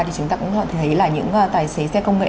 thì chúng ta cũng họ thấy là những tài xế xe công nghệ